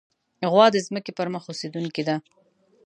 غوا د ځمکې پر مخ اوسېدونکې ده.